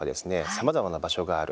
さまざまな場所がある。